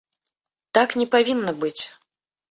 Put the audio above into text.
Так не павінна быць.